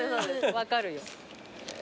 分かるよ。